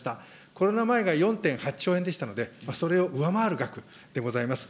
コロナ前が４．８兆円でございましたので、それを上回る額でございます。